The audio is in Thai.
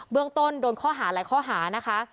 เรื่องต้นโดนข้อหาหลายข้อหานะคะ